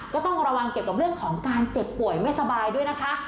ก็ต้องระวังเกี่ยวกับเรื่องของการเจ็บป่วยไม่สบายด้วยนะคะ